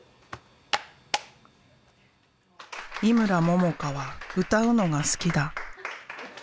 井村ももかは歌うのが好きだ。